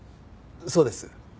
そうです。